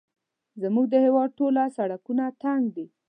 زموږ د هېواد ټوله سړکونه تنګ دي